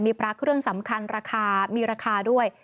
มีพระเครื่องสำคัญราคามีราคาด้วย